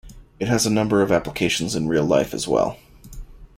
It has a number of applications in real life as well.